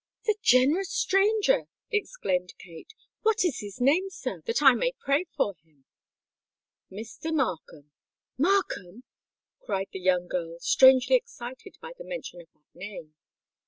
"The generous stranger!" exclaimed Kate. "What is his name, sir—that I may pray for him?" "Mr. Markham——" "Markham!" cried the young girl, strangely excited by the mention of that name.